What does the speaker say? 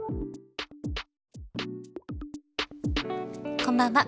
こんばんは。